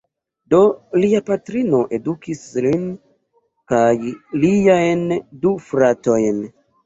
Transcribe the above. Do, lia patrino edukis lin kaj liajn du fratojn.